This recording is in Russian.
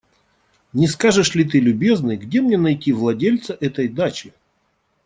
Не скажешь ли ты, любезный, где мне найти владельца этой дачи?